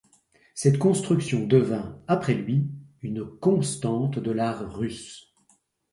Cette construction devint, après lui, une constante de l'art russe.